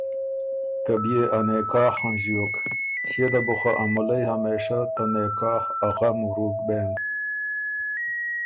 که بيې ا نکاح هنݫیوک، ݭيې ده بُو خه ا مُلئ همېشۀ ته نکاح ا غم ورُوک بېن